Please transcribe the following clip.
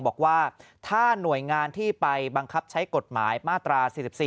บอกว่าถ้าหน่วยงานที่ไปบังคับใช้กฎหมายมาตรา๔๔